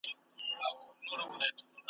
په ارغوان به ښکلي سي غیږي `